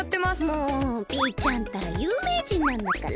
もうピーちゃんったらゆうめいじんなんだから！